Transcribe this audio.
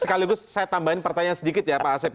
sekaligus saya tambahin pertanyaan sedikit ya pak asep